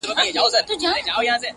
د جانان چي په کوم لاره تله راتله وي,